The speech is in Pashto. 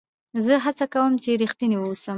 زه هڅه کوم، چي رښتینی واوسم.